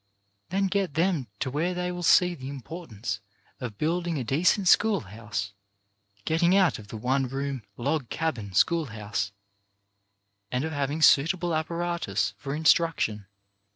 Then get them to where they will see the impor tance of building a decent school house — getting out of the one room log cabin school house— and of having suitable apparatus for instruction.